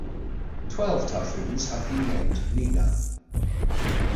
Twelve typhoons have been named Nina.